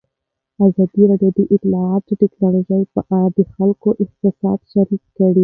ازادي راډیو د اطلاعاتی تکنالوژي په اړه د خلکو احساسات شریک کړي.